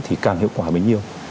thì càng hiệu quả bấy nhiêu